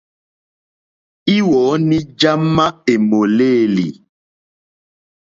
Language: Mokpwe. Íwɔ̌ní já má èmòlêlì.